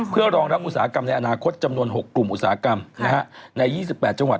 เพื่อรองรับอุตสาหกรรมในอนาคตจำนวน๖กลุ่มอุตสาหกรรมใน๒๘จังหวัด